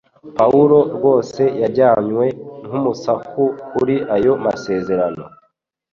Pawulo rwose yajyanywe kumasuku kuri ayo masezerano